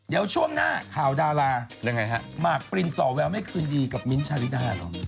เดี๋ยวช่วงหน้าข่าวดารามากปรินส่อแววแม่คืนดีกับมิ้นท์ชาวริดา